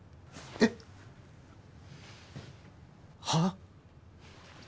えっ？はあ？